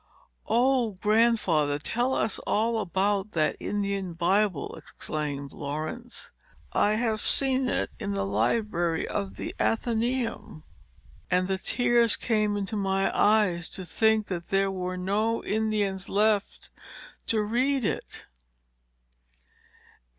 "O, Grandfather, tell us all about that Indian Bible!" exclaimed Laurence. "I have seen it in the library of the Athenæum; and the tears came into my eyes, to think that there were no Indians left to read it."